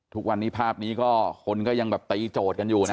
ทุกวันนี้ภาพนี้ก็คนก็ยังแบบตีโจทย์กันอยู่นะ